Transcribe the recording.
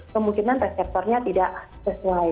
kemungkinan reseptornya tidak sesuai